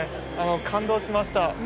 感動しました。